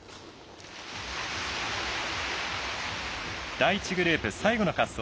第１グループ最後の滑走。